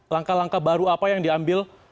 langkah langkah baru apa yang diambil